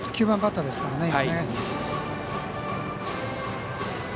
９番バッターですから。